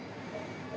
untuk membela diri